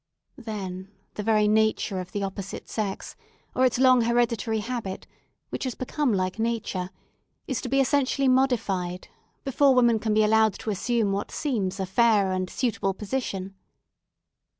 Then the very nature of the opposite sex, or its long hereditary habit, which has become like nature, is to be essentially modified before woman can be allowed to assume what seems a fair and suitable position.